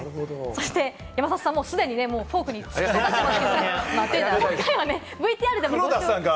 山里さん、すでにフォークに突き刺さっています。